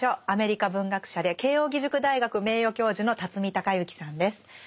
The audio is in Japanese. アメリカ文学者で慶應義塾大学名誉教授の孝之さんです。